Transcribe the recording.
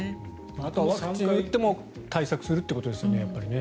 ワクチンを打っても対策するということですよね。